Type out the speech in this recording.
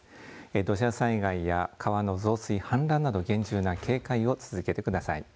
土砂災害や川の増水、氾濫など厳重な警戒を続けてください。